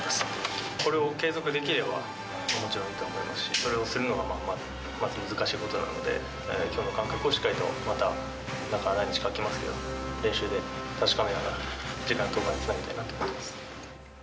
これを継続できれば、もちろんいいと思いますし、それをするのがまず難しいことなので、きょうの感覚をしっかりとまた何日か空きますけど、練習で確かめながら、次回の登板につなげたいなと思っています。